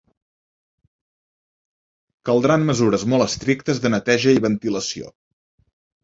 Caldran mesures molt estrictes de neteja i ventilació.